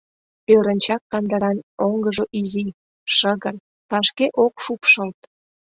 Ӧрынчак кандыран оҥгыжо изи, шыгыр, вашке ок шупшылт.